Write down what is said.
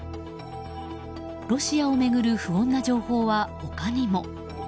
ロシアを巡る不穏な情報は他にも。